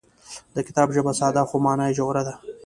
د کتاب ژبه ساده خو مانا یې ژوره ده.